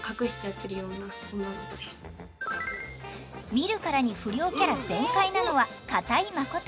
見るからに不良キャラ全開なのは片居誠。